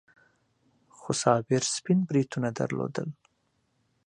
خو صابر سپين بریتونه درلودل.